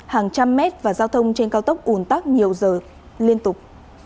hàng trăm mét và giao thông trên cao tốc ủn tắc nhiều giờ liên tục